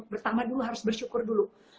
pertama dulu harus bersyukur dulu